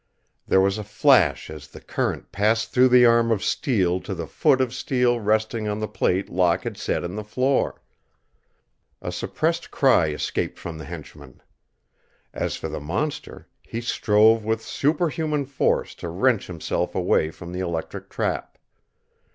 There was a flash as the current passed through the arm of steel to the foot of steel resting on the plate Locke had set in the floor. A suppressed cry escaped from the henchman. As for the monster, he strove with superhuman force to wrench himself away from the electric trap.